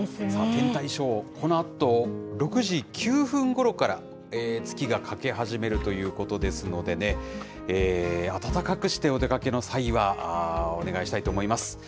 天体ショー、このあと６時９分ごろから月が欠け始めるということですのでね、暖かくしてお出かけの際は、お願いしたいと思います。